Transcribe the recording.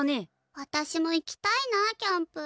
わたしもいきたいなキャンプ。